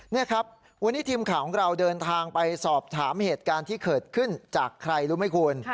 นี่ครับวันนี้ทีมข่าวของเราเดินทางไปสอบถามเหตุการณ์ที่เกิดขึ้นจากใครรู้ไหมคุณ